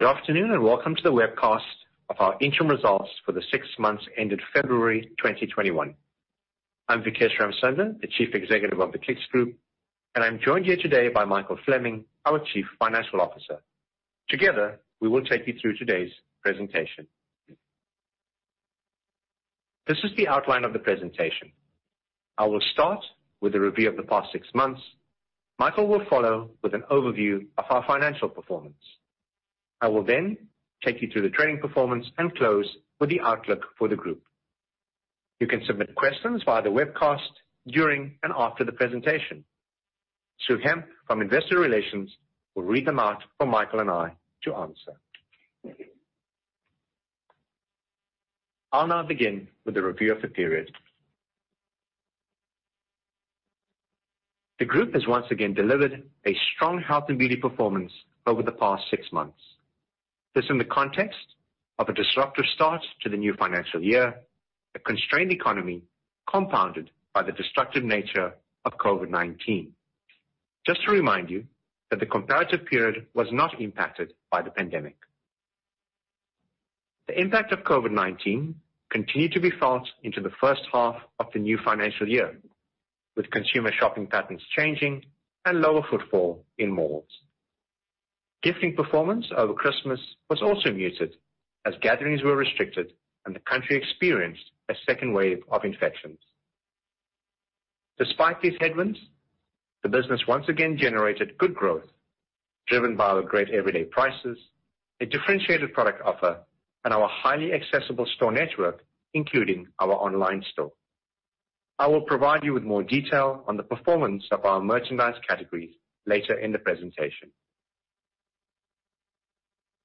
Good afternoon, and welcome to the webcast of our interim results for the six months ended February 2021. I'm Vikesh Ramsunder, the Chief Executive of the Clicks Group, and I'm joined here today by Michael Fleming, our Chief Financial Officer. Together, we will take you through today's presentation. This is the outline of the presentation. I will start with a review of the past six months. Michael will follow with an overview of our financial performance. I will then take you through the trading performance and close with the outlook for the group. You can submit questions via the webcast during and after the presentation. Sue Hemp from Investor Relations will read them out for Michael and I to answer. I'll now begin with a review of the period. The group has once again delivered a strong health and beauty performance over the past six months. This in the context of a disruptive start to the new financial year, a constrained economy compounded by the destructive nature of COVID-19. Just to remind you that the comparative period was not impacted by the pandemic. The impact of COVID-19 continued to be felt into the first half of the new financial year, with consumer shopping patterns changing and lower footfall in malls. Gifting performance over Christmas was also muted as gatherings were restricted and the country experienced a second wave of infections. Despite these headwinds, the business once again generated good growth driven by our great everyday prices, a differentiated product offer, and our highly accessible store network, including our online store. I will provide you with more detail on the performance of our merchandise categories later in the presentation.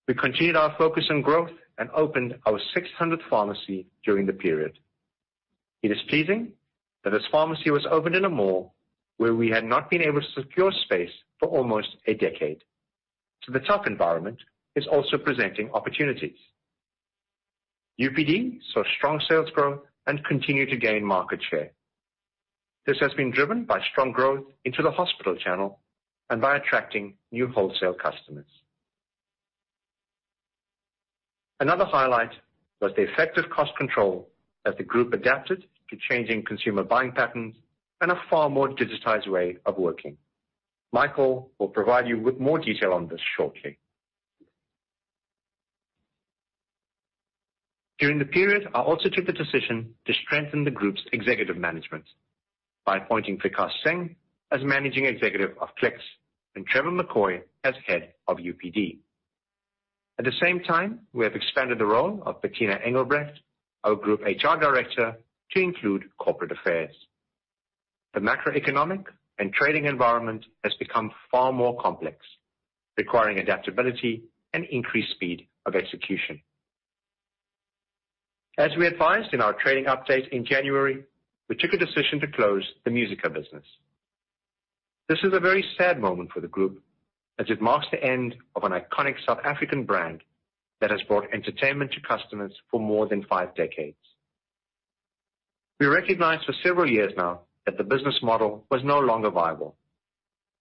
We continued our focus on growth and opened our 600th pharmacy during the period. It is pleasing that this pharmacy was opened in a mall where we had not been able to secure space for almost a decade. The tough environment is also presenting opportunities. UPD saw strong sales growth and continued to gain market share. This has been driven by strong growth into the hospital channel and by attracting new wholesale customers. Another highlight was the effective cost control as the group adapted to changing consumer buying patterns and a far more digitized way of working. Michael will provide you with more detail on this shortly. During the period, I also took the decision to strengthen the group's executive management by appointing Vikash Singh as Managing Executive of Clicks and Trevor McCoy as Head of UPD. At the same time, we have expanded the role of Bertina Engelbrecht, our Group HR Director, to include corporate affairs. The macroeconomic and trading environment has become far more complex, requiring adaptability and increased speed of execution. As we advised in our trading update in January, we took a decision to close the Musica business. This is a very sad moment for the group as it marks the end of an iconic South African brand that has brought entertainment to customers for more than five decades. We recognized for several years now that the business model was no longer viable,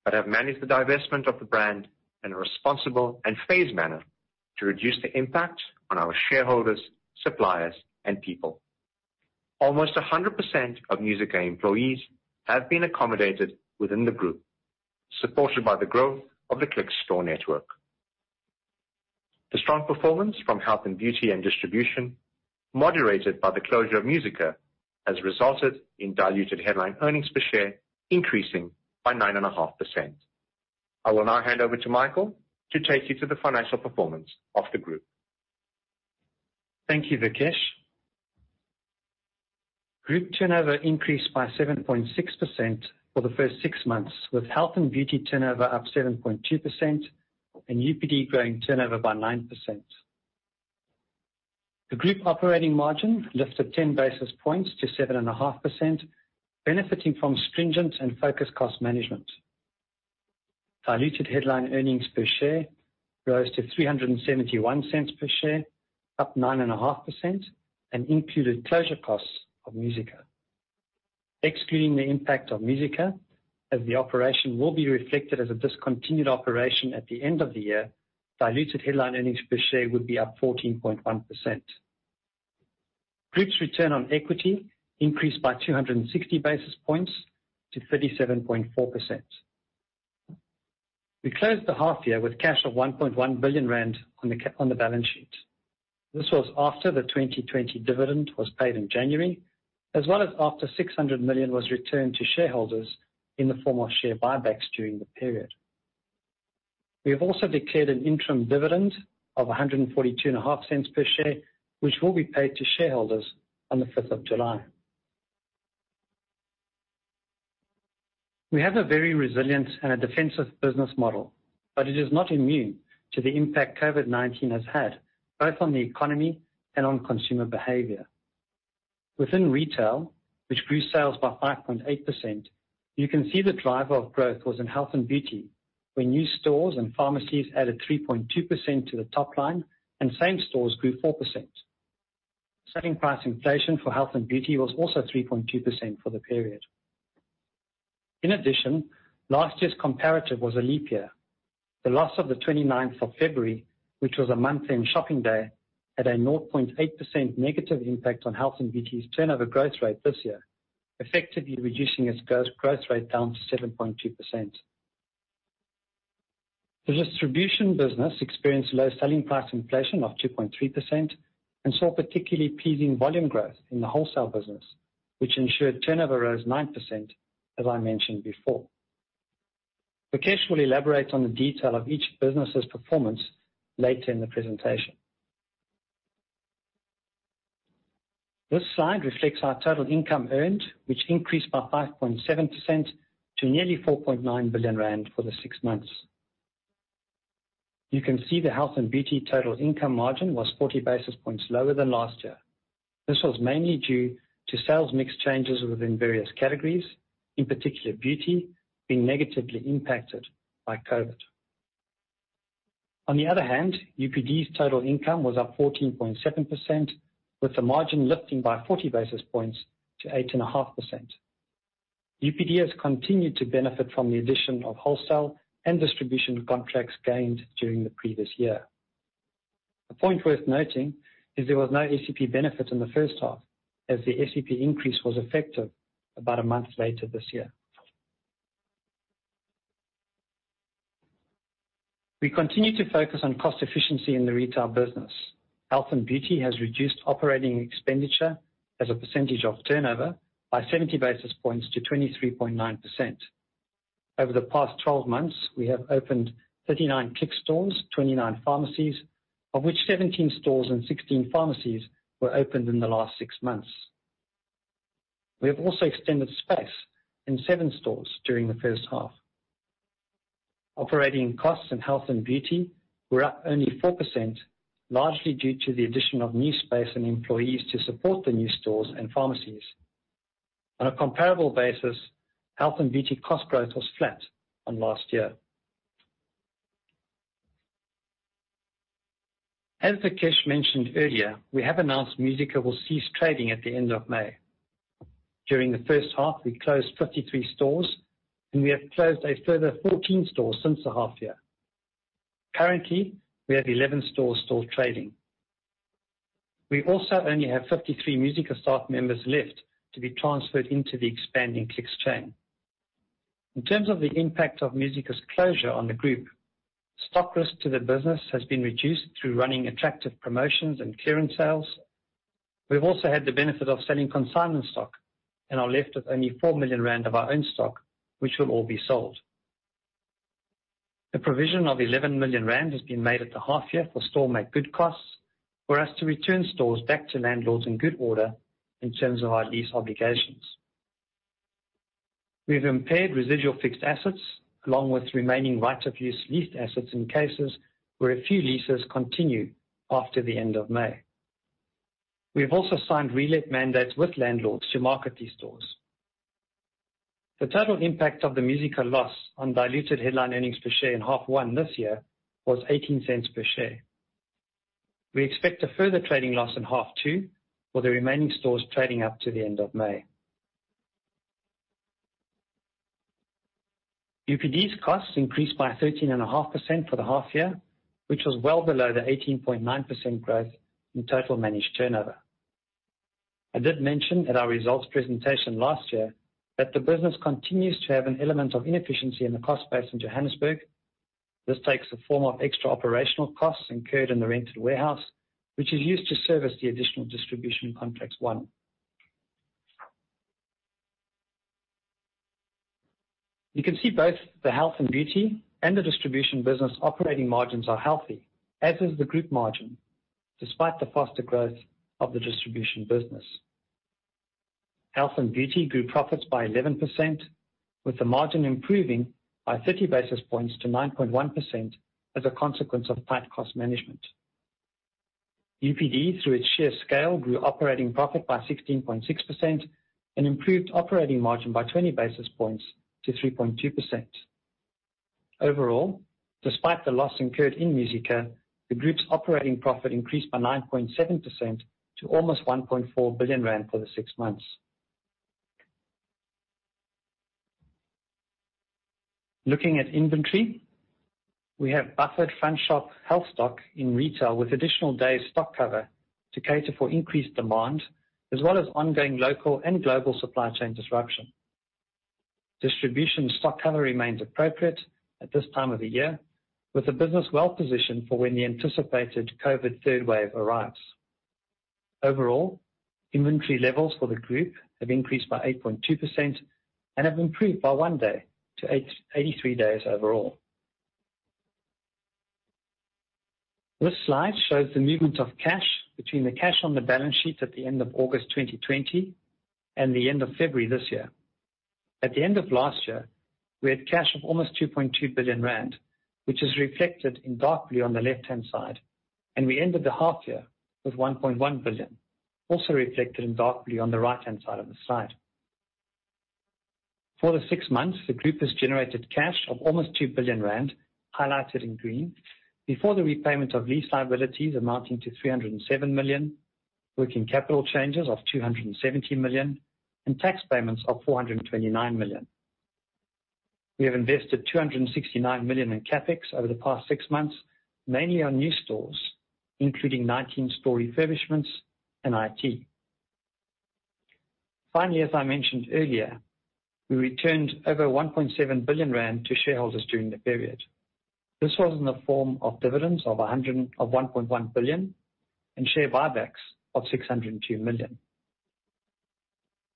but have managed the divestment of the brand in a responsible and phased manner to reduce the impact on our shareholders, suppliers, and people. Almost 100% of Musica employees have been accommodated within the group, supported by the growth of the Clicks store network. The strong performance from health and beauty and distribution, moderated by the closure of Musica, has resulted in diluted headline earnings per share increasing by 9.5%. I will now hand over to Michael to take you through the financial performance of the Group. Thank you, Vikesh. Group turnover increased by 7.6% for the first six months, with health and beauty turnover up 7.2% and UPD growing turnover by 9%. The Group operating margin lifted 10 basis points to 7.5%, benefiting from stringent and focused cost management. Diluted headline earnings per share rose to 3.71 per share, up 9.5%, and included closure costs of Musica. Excluding the impact of Musica, as the operation will be reflected as a discontinued operation at the end of the year, diluted headline earnings per share would be up 14.1%. Group's return on equity increased by 260 basis points to 37.4%. We closed the half year with cash of 1.1 billion rand on the balance sheet. This was after the 2020 dividend was paid in January, as well as after 600 million was returned to shareholders in the form of share buybacks during the period. We have also declared an interim dividend of 1.425 per share, which will be paid to shareholders on the 5th of July. We have a very resilient and a defensive business model. It is not immune to the impact COVID-19 has had, both on the economy and on consumer behavior. Within retail, which grew sales by 5.8%, you can see the driver of growth was in health and beauty, where new stores and pharmacies added 3.2% to the top line, and same stores grew 4%. Selling price inflation for health and beauty was also 3.2% for the period. In addition, last year's comparative was a leap year. The loss of the 29th of February, which was a month-end shopping day, had a 0.8% negative impact on health and beauty's turnover growth rate this year, effectively reducing its growth rate down to 7.2%. The distribution business experienced low selling price inflation of 2.3% and saw particularly pleasing volume growth in the wholesale business, which ensured turnover rose 9%, as I mentioned before. Vikesh Ramsunder will elaborate on the detail of each business's performance later in the presentation. This slide reflects our total income earned, which increased by 5.7% to nearly 4.9 billion rand for the six months. You can see the health and beauty total income margin was 40 basis points lower than last year. This was mainly due to sales mix changes within various categories, in particular beauty, being negatively impacted by COVID-19. On the other hand, UPD's total income was up 14.7%, with the margin lifting by 40 basis points to 8.5%. UPD has continued to benefit from the addition of wholesale and distribution contracts gained during the previous year. A point worth noting is there was no SEP benefit in the first half, as the SEP increase was effective about a month later this year. We continue to focus on cost efficiency in the retail business. Health and beauty has reduced operating expenditure as a percentage of turnover by 70 basis points to 23.9%. Over the past 12 months, we have opened 39 Clicks stores, 29 pharmacies, of which 17 stores and 16 pharmacies were opened in the last six months. We have also extended space in seven stores during the first half. Operating costs in health and beauty were up only 4%, largely due to the addition of new space and employees to support the new stores and pharmacies. On a comparable basis, health and beauty cost growth was flat on last year. As Vikesh mentioned earlier, we have announced Musica will cease trading at the end of May. During the first half, we closed 53 stores, and we have closed a further 14 stores since the half year. Currently, we have 11 stores still trading. We also only have 53 Musica staff members left to be transferred into the expanding Clicks chain. In terms of the impact of Musica's closure on the group, stock risk to the business has been reduced through running attractive promotions and clearance sales. We've also had the benefit of selling consignment stock and are left with only 4 million rand of our own stock, which will all be sold. A provision of 11 million rand has been made at the half year for store make-good costs for us to return stores back to landlords in good order in terms of our lease obligations. We have impaired residual fixed assets along with remaining right-of-use leased assets in cases where a few leases continue after the end of May. We have also signed relet mandates with landlords to market these stores. The total impact of the Musica loss on diluted headline earnings per share in half one this year was 0.18 per share. We expect a further trading loss in half two for the remaining stores trading up to the end of May. UPD's costs increased by 13.5% for the half year, which was well below the 18.9% growth in total managed turnover. I did mention at our results presentation last year that the business continues to have an element of inefficiency in the cost base in Johannesburg. This takes the form of extra operational costs incurred in the rented warehouse, which is used to service the additional distribution contracts won. You can see both the health and beauty and the distribution business operating margins are healthy, as is the group margin, despite the faster growth of the distribution business. Health and beauty grew profits by 11%, with the margin improving by 30 basis points to 9.1% as a consequence of tight cost management. UPD, through its sheer scale, grew operating profit by 16.6% and improved operating margin by 20 basis points to 3.2%. Overall, despite the loss incurred in Musica, the group's operating profit increased by 9.7% to almost 1.4 billion rand for the six months. Looking at inventory, we have buffered front shop health stock in retail with additional day stock cover to cater for increased demand as well as ongoing local and global supply chain disruption. Distribution stock cover remains appropriate at this time of the year, with the business well positioned for when the anticipated COVID-19 third wave arrives. Overall, inventory levels for the group have increased by 8.2% and have improved by one day to 83 days overall. This slide shows the movement of cash between the cash on the balance sheet at the end of August 2020 and the end of February this year. At the end of last year, we had cash of almost 2.2 billion rand, which is reflected in dark blue on the left-hand side, and we ended the half year with 1.1 billion, also reflected in dark blue on the right-hand side of the slide. For the six months, the group has generated cash of almost 2 billion rand, highlighted in green, before the repayment of lease liabilities amounting to 307 million, working capital changes of 270 million, and tax payments of 429 million. We have invested 269 million in CapEx over the past six months, mainly on new stores, including 19 store refurbishments and IT. As I mentioned earlier, we returned over 1.7 billion rand to shareholders during the period. This was in the form of dividends of 1.1 billion and share buybacks of 602 million.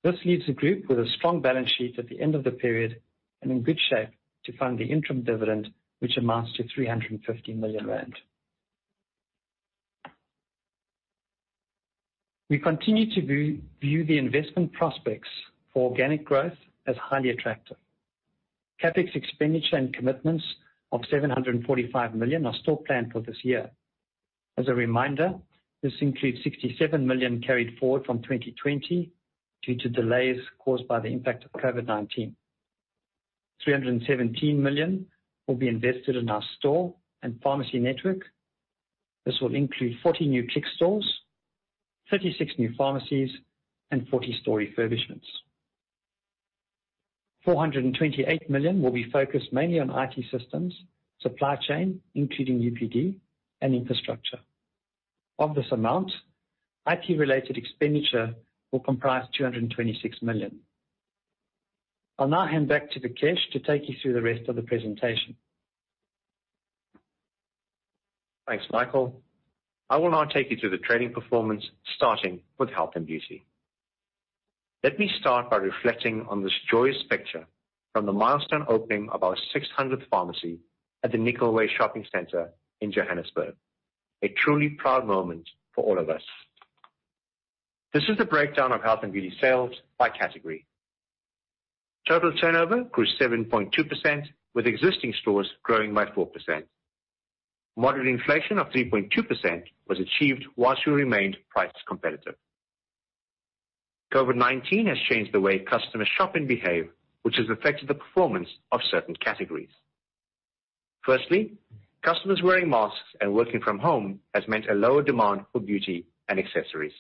This leaves the group with a strong balance sheet at the end of the period and in good shape to fund the interim dividend, which amounts to 350 million rand. We continue to view the investment prospects for organic growth as highly attractive. CapEx expenditure and commitments of 745 million are still planned for this year. As a reminder, this includes 67 million carried forward from 2020 due to delays caused by the impact of COVID-19. 317 million will be invested in our store and pharmacy network. This will include 40 new Clicks stores, 36 new pharmacies, and 40 store refurbishments. 428 million will be focused mainly on IT systems, supply chain, including UPD, and infrastructure. Of this amount, IT related expenditure will comprise 226 million. I'll now hand back to Vikesh to take you through the rest of the presentation. Thanks, Michael. I will now take you through the trading performance, starting with health and beauty. Let me start by reflecting on this joyous picture from the milestone opening of our 600th pharmacy at the Nicolway Shopping Centre in Johannesburg, a truly proud moment for all of us. This is the breakdown of health and beauty sales by category. Total turnover grew 7.2%, with existing stores growing by 4%. Moderate inflation of 3.2% was achieved whilst we remained price competitive. COVID-19 has changed the way customers shop and behave, which has affected the performance of certain categories. Firstly, customers wearing masks and working from home has meant a lower demand for beauty and accessories.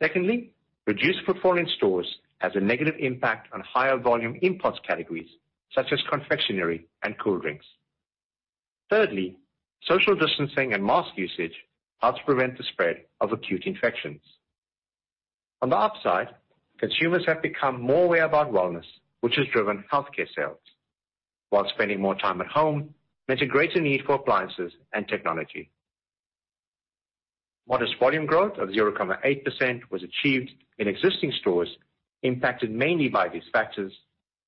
Secondly, reduced footfall in stores has a negative impact on higher volume impulse categories such as confectionery and cool drinks. Thirdly, social distancing and mask usage help to prevent the spread of acute infections. On the upside, consumers have become more aware about wellness, which has driven healthcare sales. Spending more time at home meant a greater need for appliances and technology. Modest volume growth of 0.8% was achieved in existing stores, impacted mainly by these factors,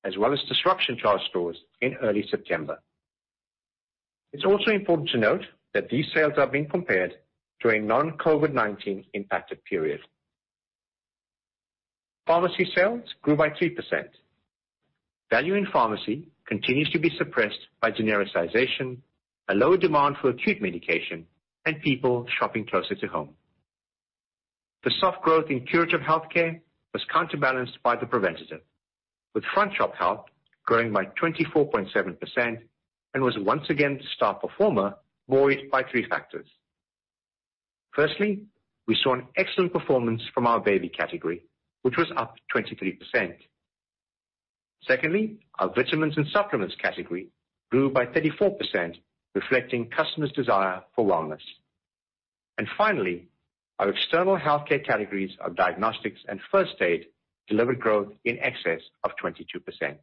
as well as disruption to our stores in early September. It's also important to note that these sales are being compared to a non-COVID-19 impacted period. Pharmacy sales grew by 3%. Value in pharmacy continues to be suppressed by genericization, a lower demand for acute medication, and people shopping closer to home. The soft growth in curative healthcare was counterbalanced by the preventative, with front shop health growing by 24.7% and was once again the star performer buoyed by three factors. Firstly, we saw an excellent performance from our baby category, which was up 23%. Secondly, our vitamins and supplements category grew by 34%, reflecting customers' desire for wellness. Finally, our external healthcare categories of diagnostics and first aid delivered growth in excess of 22%.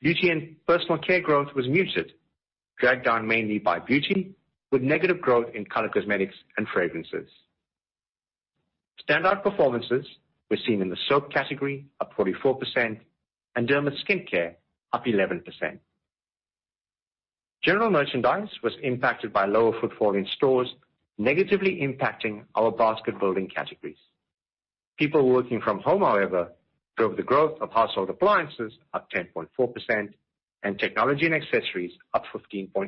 Beauty and personal care growth was muted, dragged down mainly by beauty, with negative growth in color cosmetics and fragrances. Standout performances were seen in the soap category, up 44%, and derma skincare, up 11%. General merchandise was impacted by lower footfall in stores, negatively impacting our basket building categories. People working from home, however, drove the growth of household appliances, up 10.4%, and technology and accessories, up 15.8%.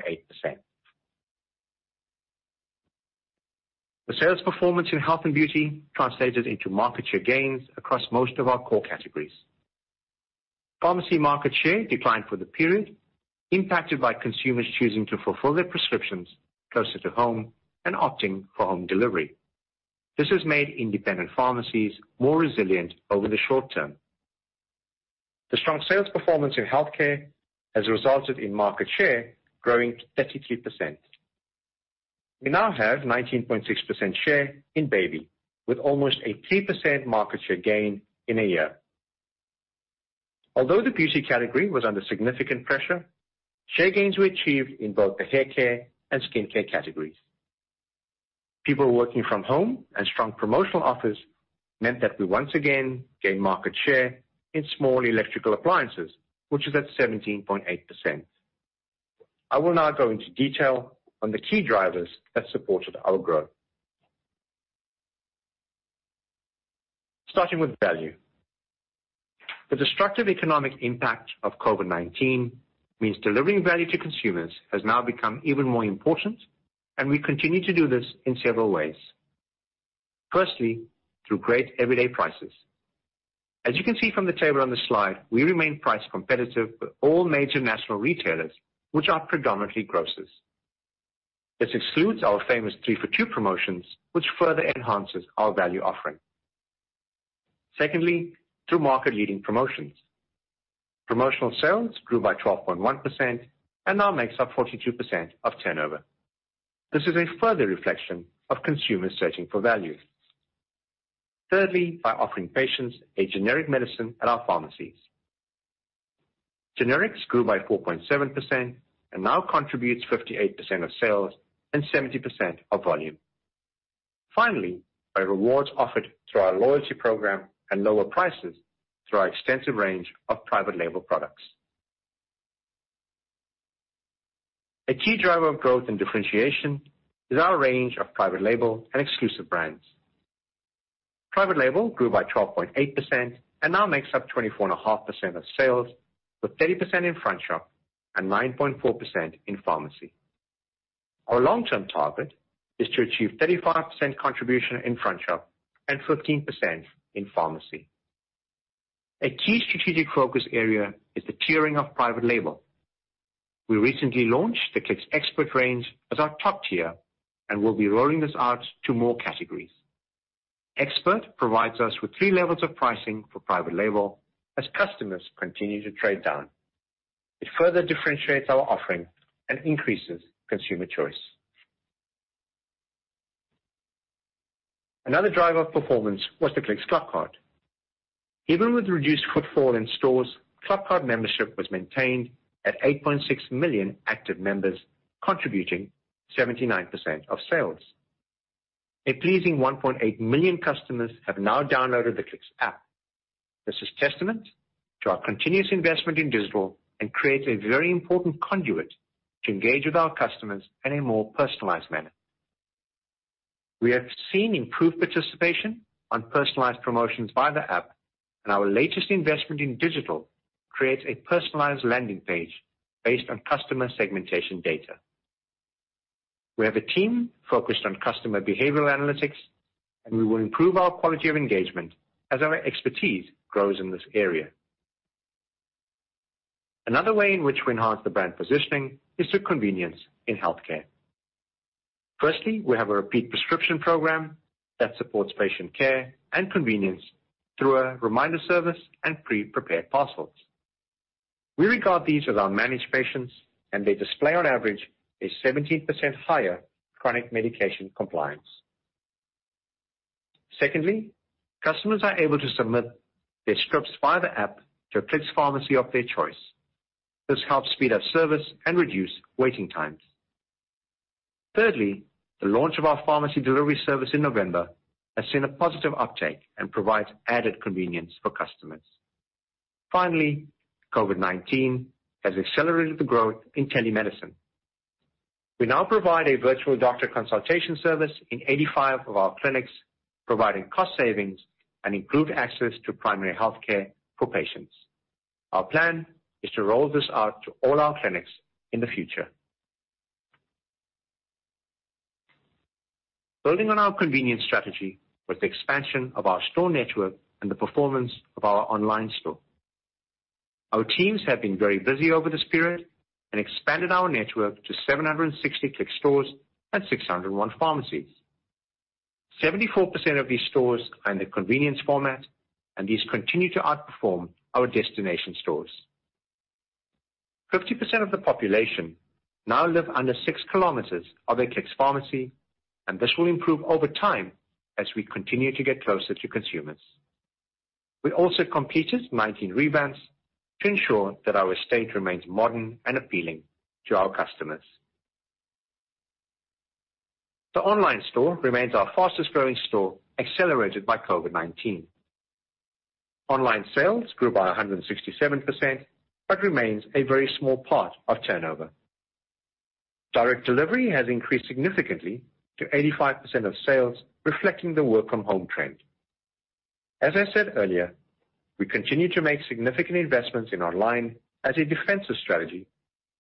The sales performance in health and beauty translated into market share gains across most of our core categories. Pharmacy market share declined for the period, impacted by consumers choosing to fulfill their prescriptions closer to home and opting for home delivery. This has made independent pharmacies more resilient over the short term. The strong sales performance in healthcare has resulted in market share growing to 33%. We now have 19.6% share in baby, with almost a 3% market share gain in a year. Although the beauty category was under significant pressure, share gains were achieved in both the haircare and skincare categories. People working from home and strong promotional offers meant that we once again gained market share in small electrical appliances, which is at 17.8%. I will now go into detail on the key drivers that supported our growth. Starting with value. The destructive economic impact of COVID-19 means delivering value to consumers has now become even more important, and we continue to do this in several ways. Firstly, through great everyday prices. As you can see from the table on this slide, we remain price competitive with all major national retailers, which are predominantly grocers. This excludes our famous 3 for 2 promotions, which further enhances our value offering. Secondly, through market-leading promotions. Promotional sales grew by 12.1% and now makes up 42% of turnover. This is a further reflection of consumers searching for value. Thirdly, by offering patients a generic medicine at our pharmacies. Generics grew by 4.7% and now contributes 58% of sales and 70% of volume. Finally, by rewards offered through our loyalty program and lower prices through our extensive range of private label products. A key driver of growth and differentiation is our range of private label and exclusive brands. Private label grew by 12.8% and now makes up 24.5% of sales, with 30% in front shop and 9.4% in pharmacy. Our long-term target is to achieve 35% contribution in front shop and 15% in pharmacy. A key strategic focus area is the tiering of private label. We recently launched the Clicks Expert range as our top tier and will be rolling this out to more categories. Expert provides us with 3 levels of pricing for private label as customers continue to trade down. It further differentiates our offering and increases consumer choice. Another driver of performance was the Clicks ClubCard. Even with reduced footfall in stores, ClubCard membership was maintained at 8.6 million active members, contributing 79% of sales. A pleasing 1.8 million customers have now downloaded the Clicks app. This is testament to our continuous investment in digital and creates a very important conduit to engage with our customers in a more personalized manner. We have seen improved participation on personalized promotions via the app, and our latest investment in digital creates a personalized landing page based on customer segmentation data. We have a team focused on customer behavioral analytics, and we will improve our quality of engagement as our expertise grows in this area. Another way in which we enhance the brand positioning is through convenience in healthcare. Firstly, we have a repeat prescription program that supports patient care and convenience through a reminder service and pre-prepared parcels. We regard these as our managed patients, and they display on average a 17% higher chronic medication compliance. Secondly, customers are able to submit their scripts via the app to a Clicks Pharmacy of their choice. This helps speed up service and reduce waiting times. Thirdly, the launch of our pharmacy delivery service in November has seen a positive uptake and provides added convenience for customers. Finally, COVID-19 has accelerated the growth in telemedicine. We now provide a virtual doctor consultation service in 85 of our clinics, providing cost savings and improved access to primary healthcare for patients. Our plan is to roll this out to all our clinics in the future. Building on our convenience strategy with the expansion of our store network and the performance of our online store. Our teams have been very busy over this period and expanded our network to 760 Clicks stores and 601 pharmacies. 74% of these stores are in the convenience format, and these continue to outperform our destination stores. 50% of the population now live under 6 km of a Clicks Pharmacy, and this will improve over time as we continue to get closer to consumers. We also completed 19 revamps to ensure that our estate remains modern and appealing to our customers. The online store remains our fastest growing store, accelerated by COVID-19. Online sales grew by 167%, but remains a very small part of turnover. Direct delivery has increased significantly to 85% of sales, reflecting the work from home trend. As I said earlier, we continue to make significant investments in online as a defensive strategy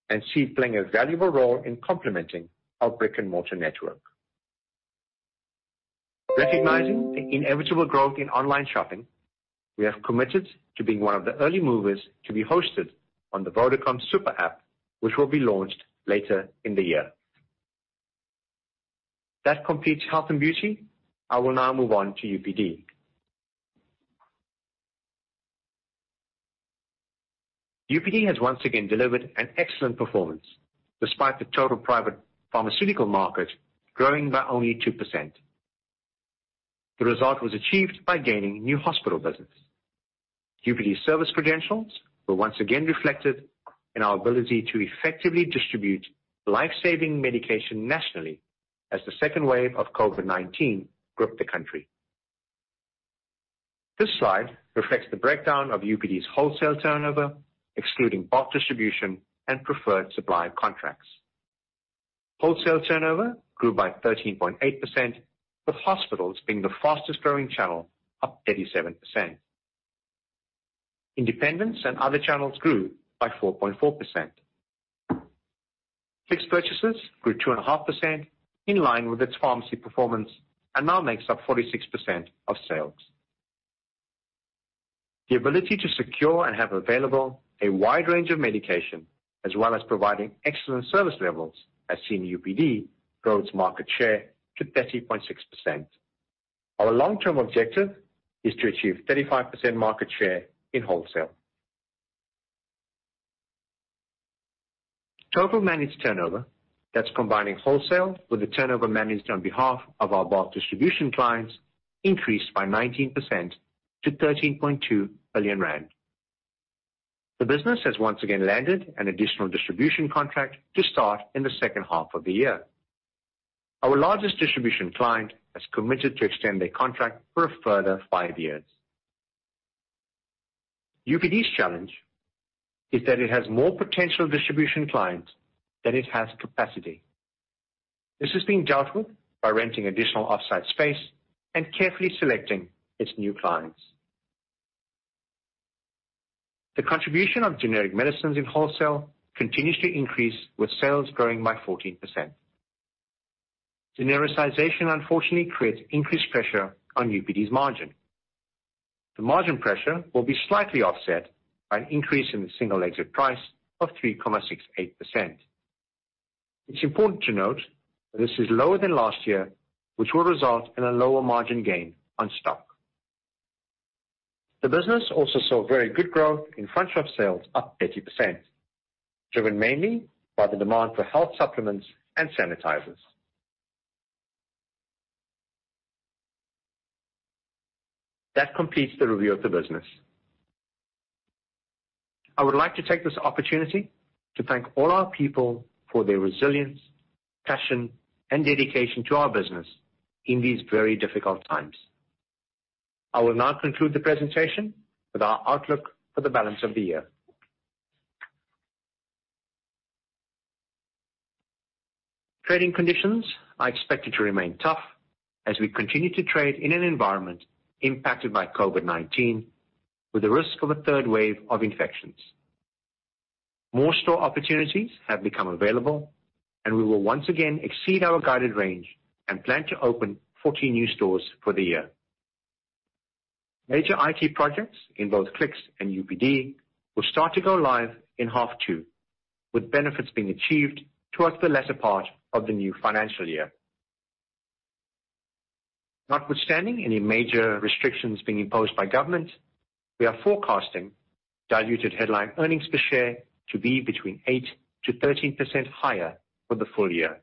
and see it playing a valuable role in complementing our brick-and-mortar network. Recognizing the inevitable growth in online shopping, we have committed to being one of the early movers to be hosted on the VodaPay super app, which will be launched later in the year. That completes health and beauty. I will now move on to UPD. UPD has once again delivered an excellent performance, despite the total private pharmaceutical market growing by only 2%. The result was achieved by gaining new hospital business. UPD service credentials were once again reflected in our ability to effectively distribute life-saving medication nationally as the second wave of COVID-19 gripped the country. This slide reflects the breakdown of UPD's wholesale turnover, excluding bulk distribution and preferred supplier contracts. Wholesale turnover grew by 13.8%, with hospitals being the fastest growing channel, up 37%. Independents and other channels grew by 4.4%. Clicks purchases grew 2.5% in line with its pharmacy performance and now makes up 46% of sales. The ability to secure and have available a wide range of medication as well as providing excellent service levels, has seen UPD grow its market share to 30.6%. Our long-term objective is to achieve 35% market share in wholesale. Total managed turnover, that's combining wholesale with the turnover managed on behalf of our bulk distribution clients, increased by 19% to 13.2 billion rand. The business has once again landed an additional distribution contract to start in the second half of the year. Our largest distribution client has committed to extend their contract for a further five years. UPD's challenge is that it has more potential distribution clients than it has capacity. This is being dealt with by renting additional offsite space and carefully selecting its new clients. The contribution of generic medicines in wholesale continues to increase with sales growing by 14%. Genericization, unfortunately, creates increased pressure on UPD's margin. The margin pressure will be slightly offset by an increase in the single exit price of 3.68%. It's important to note that this is lower than last year, which will result in a lower margin gain on stock. The business also saw very good growth in front shop sales up 30%, driven mainly by the demand for health supplements and sanitizers. That completes the review of the business. I would like to take this opportunity to thank all our people for their resilience, passion, and dedication to our business in these very difficult times. I will now conclude the presentation with our outlook for the balance of the year. Trading conditions are expected to remain tough as we continue to trade in an environment impacted by COVID-19 with the risk of a third wave of infections. More store opportunities have become available, and we will once again exceed our guided range and plan to open 40 new stores for the year. Major IT projects in both Clicks and UPD will start to go live in half two, with benefits being achieved towards the lesser part of the new financial year. Notwithstanding any major restrictions being imposed by government, we are forecasting diluted headline earnings per share to be between 8%-13% higher for the full year.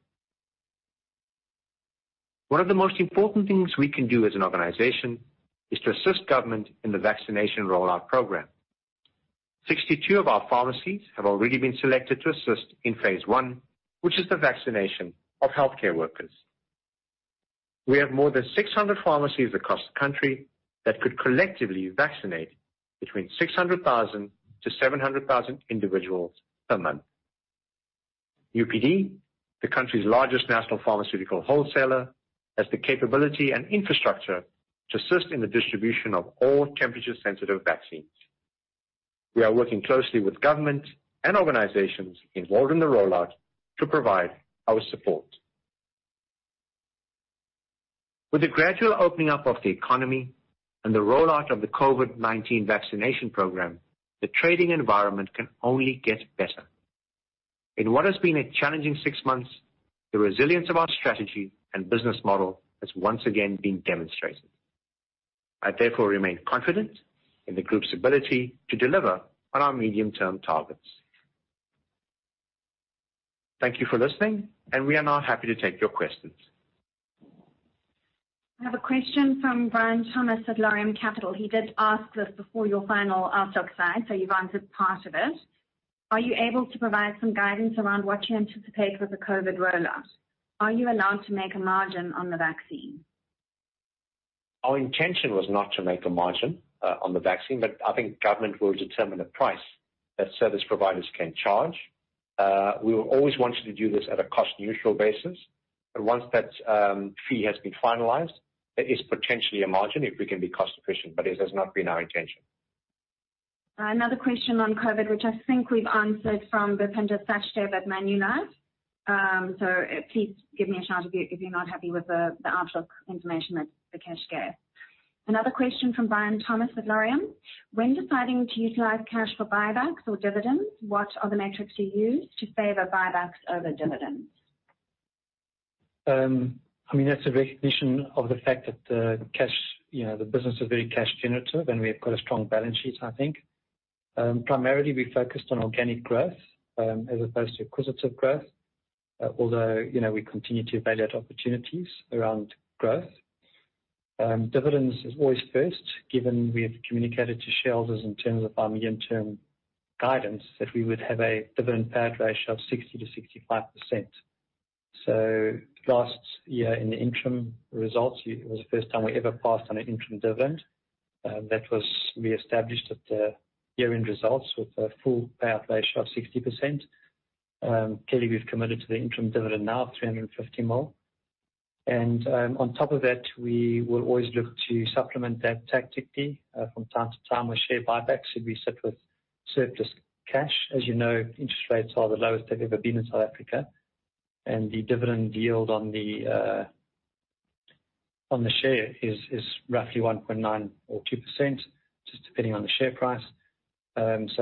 One of the most important things we can do as an organization is to assist government in the vaccination rollout program. 62 of our pharmacies have already been selected to assist in phase I, which is the vaccination of healthcare workers. We have more than 600 pharmacies across the country that could collectively vaccinate between 600,000-700,000 individuals per month. UPD, the country's largest national pharmaceutical wholesaler, has the capability and infrastructure to assist in the distribution of all temperature-sensitive vaccines. We are working closely with government and organizations involved in the rollout to provide our support. With the gradual opening up of the economy and the rollout of the COVID-19 Vaccination Program, the trading environment can only get better. In what has been a challenging six months, the resilience of our strategy and business model has once again been demonstrated. I, therefore, remain confident in the group's ability to deliver on our medium-term targets. Thank you for listening, and we are now happy to take your questions. I have a question from Brian Thomas at Laurium Capital. He did ask this before your final outlook slide, so you've answered part of it. Are you able to provide some guidance around what you anticipate with the COVID rollout? Are you allowed to make a margin on the vaccine? Our intention was not to make a margin on the vaccine, but I think government will determine the price that service providers can charge. We will always want to do this at a cost-neutral basis. Once that fee has been finalized, there is potentially a margin if we can be cost-efficient, but it has not been our intention. Another question on COVID-19, which I think we've answered from Bhupinder Sachdev at Manulife, so please give me a shout if you're not happy with the outlook information that Vikesh gave. Another question from Brian Thomas with Laurium. When deciding to utilize cash for buybacks or dividends, what are the metrics you use to favor buybacks over dividends? That's a recognition of the fact that the business is very cash generative, and we have quite a strong balance sheet, I think. Primarily, we focused on organic growth as opposed to acquisitive growth. Although, we continue to evaluate opportunities around growth. Dividends is always first, given we have communicated to shareholders in terms of our medium-term guidance that we would have a dividend payout ratio of 60%-65%. Last year in the interim results, it was the first time we ever passed on an interim dividend. That was reestablished at the year-end results with a full payout ratio of 60%. Clearly, we've committed to the interim dividend now of 350 million. On top of that, we will always look to supplement that tactically from time to time with share buybacks should we sit with surplus cash. As you know, interest rates are the lowest they've ever been in South Africa. The dividend yield on the share is roughly 1.9% or 2%, just depending on the share price. That's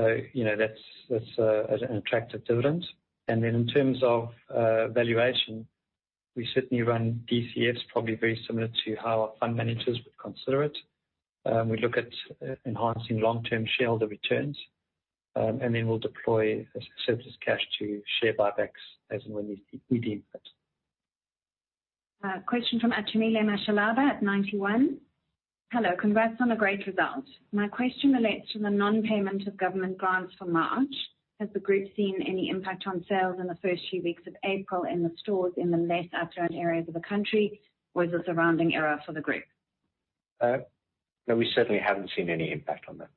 an attractive dividend. In terms of valuation, we certainly run DCFs probably very similar to how our fund managers would consider it. We look at enhancing long-term shareholder returns. Then we'll deploy surplus cash to share buybacks as and when we deem fit. A question from Achumile Mashalaba at Ninety One. Hello. Congrats on the great result. My question relates to the non-payment of government grants for March. Has the group seen any impact on sales in the first few weeks of April in the stores in the less affluent areas of the country, or is it a rounding error for the group? No, we certainly haven't seen any impact on that.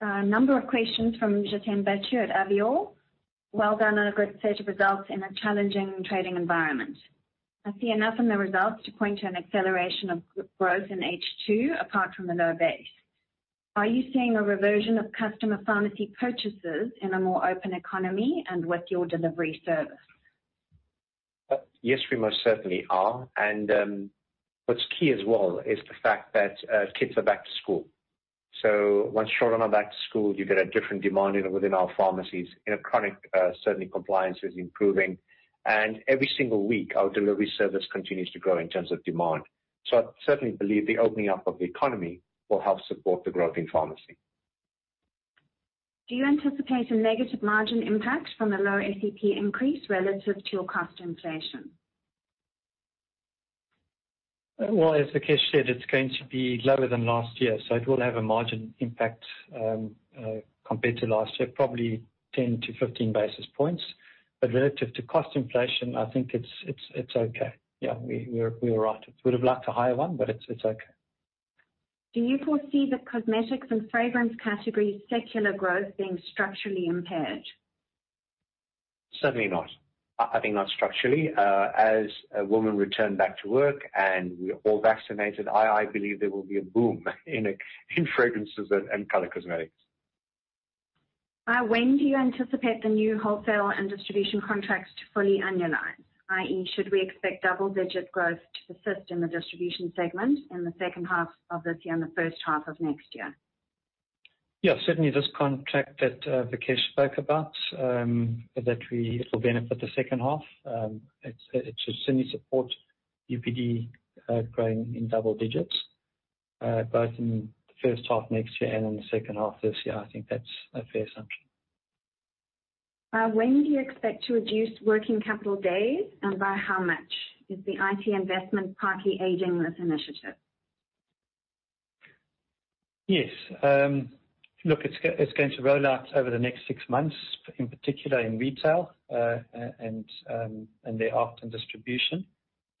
A number of questions from Jiten Bechoo at Avior. Well done on a good set of results in a challenging trading environment. I see enough in the results to point to an acceleration of group growth in H2, apart from the low base. Are you seeing a reversion of customer pharmacy purchases in a more open economy and with your delivery service? Yes, we most certainly are. What's key as well is the fact that kids are back to school. Once children are back to school, you get a different demand within our pharmacies. In chronic, certainly compliance is improving. Every single week, our delivery service continues to grow in terms of demand. I certainly believe the opening up of the economy will help support the growth in pharmacy. Do you anticipate a negative margin impact from the low SEP increase relative to your cost inflation? As Vikesh said, it's going to be lower than last year, so it will have a margin impact, compared to last year, probably 10-15 basis points. Relative to cost inflation, I think it's okay. Yeah, we're all right. Would've liked a higher one, but it's okay. Do you foresee the cosmetics and fragrance category secular growth being structurally impaired? Certainly not. I think not structurally. As women return back to work and we're all vaccinated, I believe there will be a boom in fragrances and color cosmetics. When do you anticipate the new wholesale and distribution contracts to fully annualize, i.e., should we expect double-digit growth to persist in the distribution segment in the second half of this year and the first half of next year? Yeah, certainly this contract that Vikesh spoke about, it will benefit the second half. It should certainly support UPD growing in double digits, both in the first half next year and in the second half this year. I think that's a fair assumption. When do you expect to reduce working capital days, and by how much? Is the IT investment partly aiding this initiative? Yes. Look, it's going to roll out over the next six months, in particular in retail, and the UPD and distribution.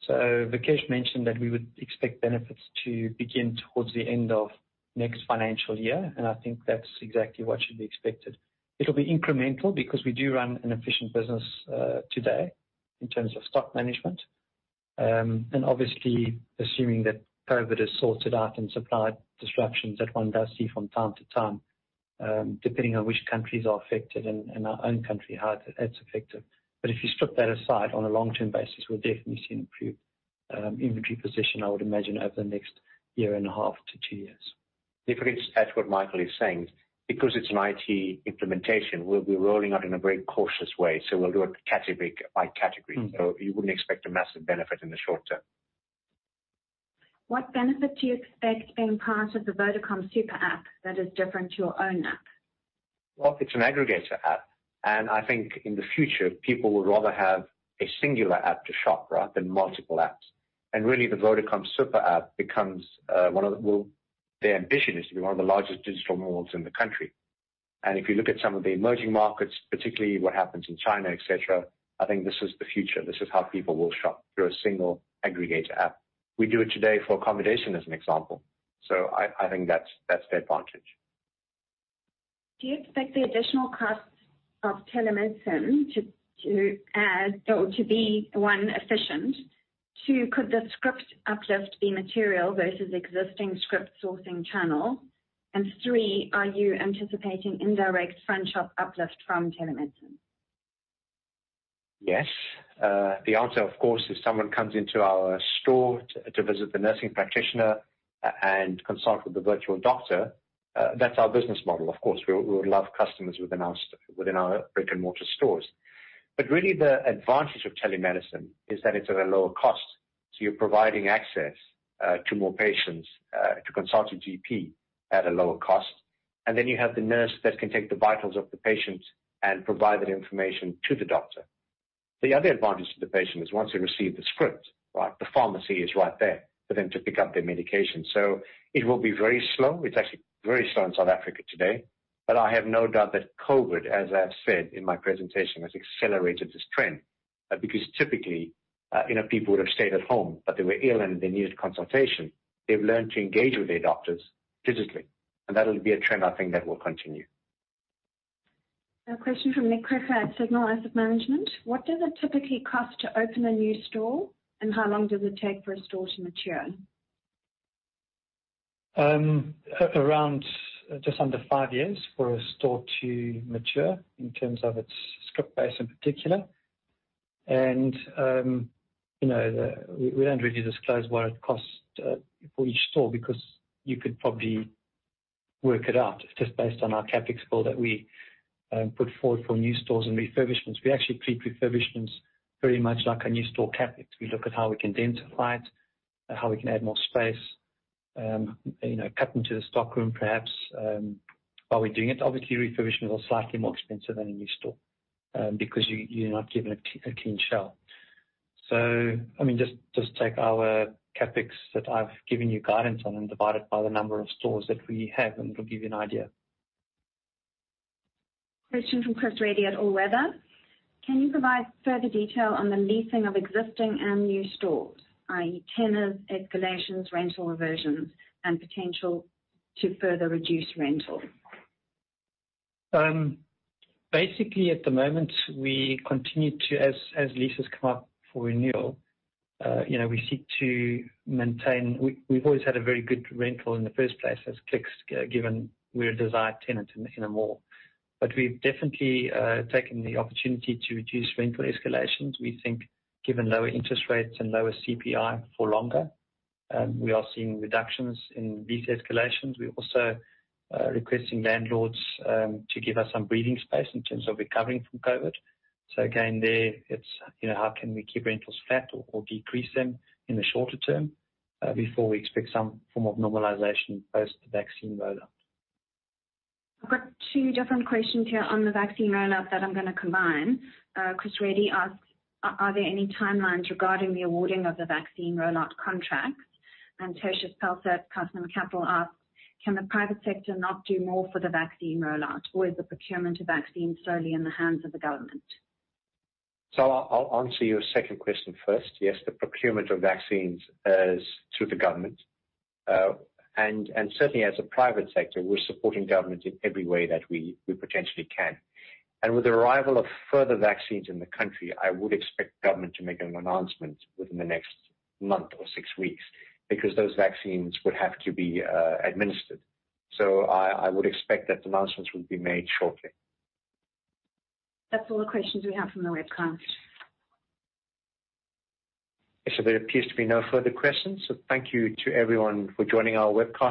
Vikesh Ramsunder mentioned that we would expect benefits to begin towards the end of next financial year, and I think that's exactly what should be expected. It'll be incremental because we do run an efficient business today in terms of stock management. Obviously, assuming that COVID-19 has sorted out and supply disruptions that one does see from time to time, depending on which countries are affected and our own country, how it's affected. If you strip that aside on a long-term basis, we'll definitely see an improved inventory position, I would imagine, over the next year and a half to two years. If I could add to what Michael is saying, because it's an IT implementation, we'll be rolling out in a very cautious way. We'll do it category by category. You wouldn't expect a massive benefit in the short term. What benefit do you expect being part of the VodaPay super app that is different to your own app? Well, it's an aggregator app. I think in the future, people would rather have a singular app to shop rather than multiple apps. Really, the VodaPay super app, their ambition is to be one of the largest digital malls in the country. If you look at some of the emerging markets, particularly what happens in China, et cetera, I think this is the future. This is how people will shop, through a single aggregator app. We do it today for accommodation, as an example. I think that's the advantage. Do you expect the additional costs of telemedicine to add or to be, one, efficient? Two, could the script uplift be material versus existing script sourcing channel? Three, are you anticipating indirect front shop uplift from telemedicine? Yes. The answer, of course, if someone comes into our store to visit the nursing practitioner and consult with the virtual doctor, that's our business model, of course. We would love customers within our brick-and-mortar stores. Really the advantage of telemedicine is that it's at a lower cost, so you're providing access to more patients to consult a GP at a lower cost. Then you have the nurse that can take the vitals of the patient and provide that information to the doctor. The other advantage to the patient is once they receive the script, right, the pharmacy is right there for them to pick up their medication. It will be very slow. It's actually very slow in South Africa today, but I have no doubt that COVID-19, as I've said in my presentation, has accelerated this trend. Because typically, people would have stayed at home, but they were ill and they needed consultation. They've learned to engage with their doctors digitally, and that'll be a trend I think that will continue. A question from Nick Crawford at Signal Asset Management: What does it typically cost to open a new store, and how long does it take for a store to mature? Around just under five years for a store to mature in terms of its script base in particular. We don't really disclose what it costs for each store because you could probably work it out just based on our CapEx bill that we put forward for new stores and refurbishments. We actually treat refurbishments very much like our new store CapEx. We look at how we can densify it, how we can add more space, cut into the stockroom perhaps, while we're doing it. Obviously, refurbishments are slightly more expensive than a new store because you're not given a clean shell. Just take our CapEx that I've given you guidance on and divide it by the number of stores that we have, and it'll give you an idea. Question from Chris Reddy at All Weather: Can you provide further detail on the leasing of existing and new stores, i.e., tenants, escalations, rental reversions, and potential to further reduce rentals? At the moment, we continue to, as leases come up for renewal, we seek to maintain. We've always had a very good rental in the first place as Clicks, given we're a desired tenant in a mall. We've definitely taken the opportunity to reduce rental escalations. We think given lower interest rates and lower CPI for longer, we are seeing reductions in lease escalations. We're also requesting landlords to give us some breathing space in terms of recovering from COVID. Again, there it's how can we keep rentals flat or decrease them in the shorter term before we expect some form of normalization post the vaccine rollout. I've got two different questions here on the vaccine rollout that I'm going to combine. Chris Reddy asks, "Are there any timelines regarding the awarding of the vaccine rollout contracts?" Tertius Pelser at Cuthman Capital asks, "Can the private sector not do more for the vaccine rollout, or is the procurement of vaccines solely in the hands of the government? I'll answer your second question first. Yes, the procurement of vaccines is through the government. Certainly as a private sector, we're supporting government in every way that we potentially can. With the arrival of further vaccines in the country, I would expect government to make an announcement within the next month or six weeks because those vaccines would have to be administered. I would expect that announcements will be made shortly. That's all the questions we have from the webcast. If there appears to be no further questions, thank you to everyone for joining our webcast.